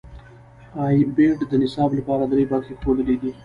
ای بیټ د نصاب لپاره درې برخې ښودلې دي.